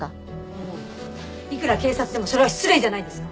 あのいくら警察でもそれは失礼じゃないですか？